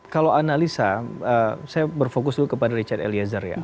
kalau analisa saya berfokus dulu kepada richard eliezer ya